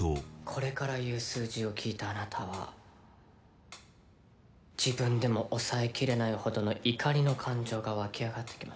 これから言う数字を聞いたあなたは自分でも抑えきれないほどの怒りの感情が沸き上がってきます。